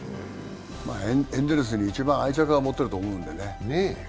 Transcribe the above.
エンゼルスに一番愛着を持ってると思うんでね。